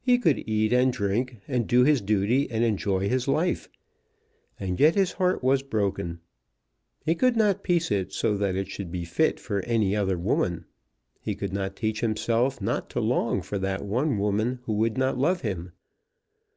He could eat and drink, and do his duty and enjoy his life. And yet his heart was broken. He could not piece it so that it should be fit for any other woman. He could not teach himself not to long for that one woman who would not love him.